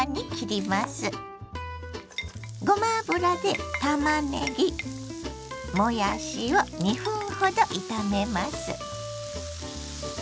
ごま油でたまねぎもやしを２分ほど炒めます。